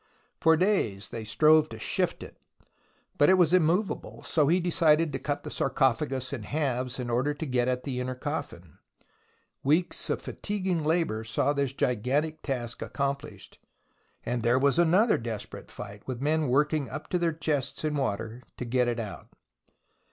For days they strove to shift it, but it was im movable, so he decided to cut the sarcophagus in halves in order to get at the inner cofhn. Weeks of fatiguing labour saw this gigantic task accom plished, and there was another desperate fight, with men working up to their chests in water, to get it out.